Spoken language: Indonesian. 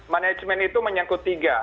manajemen itu menyangkut tiga